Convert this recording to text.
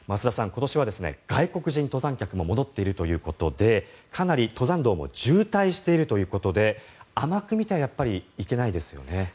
今年は外国人登山客も戻っているということでかなり登山道も渋滞しているということで甘く見てはいけないですよね。